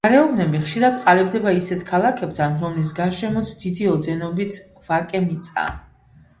გარეუბნები ხშირად ყალიბდება ისეთ ქალაქებთან, რომლის გარშემოც დიდი ოდენობით ვაკე მიწაა.